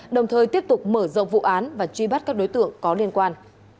đồng thời tiếp tục mở rộng vụ án và truy bắt các đối tượng có liên quan